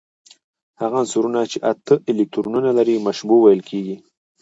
هغه عنصرونه چې اته الکترونونه لري مشبوع ویل کیږي.